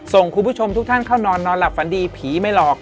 ส่งคุณผู้ชมทุกท่านเข้านอนนอนหลับฝันดีผีไม่หลอก